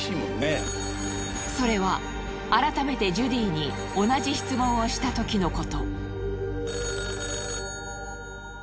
それは改めてジュディに同じ質問をしたときのこと。